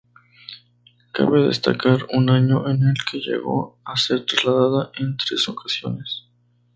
Cabe destacar un año, en el que llegó a ser trasladada en tres ocasiones.